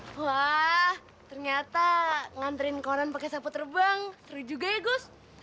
wah ternyata nganterin konon pakai sapu terbang seru juga ya gus